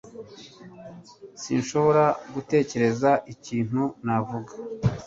Sinshobora gutekereza ikintu navuga